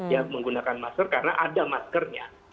ya menggunakan masker karena ada maskernya